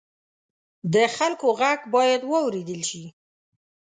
د خلکو غږ باید واورېدل شي.